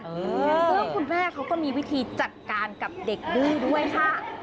ซึ่งคุณแม่เขาก็มีวิธีจัดการกับเด็กดื้อด้วยค่ะ